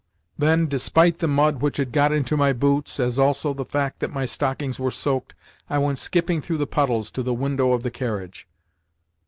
Then, despite the mud which had got into my boots, as also the fact that my stockings were soaked, I went skipping through the puddles to the window of the carriage.